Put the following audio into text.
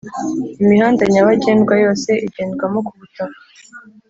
imihanda nyabagendwa yose igendwamo ku butaka